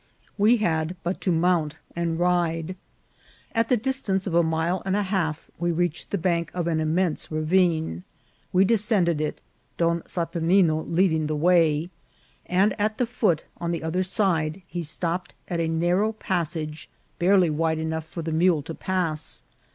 We had but to mount and ride. At the distance of a mile and a half we reached the bank of an immense ravine. We descended it, Don Saturnine leading the way ; and at the foot, on the other side, he stopped at a narrow passage, barely wide enough for the mule to pass.